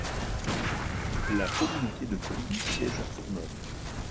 La communauté de communes siège à Fournols.